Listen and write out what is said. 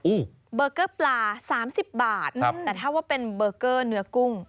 อู้วเปลือกเกลาปลา๓๐บาทแต่ถ้าว่าเป็นเบอร์เกอร์เนื้อกุ้ง